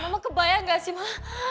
mama kebayang gak sih ma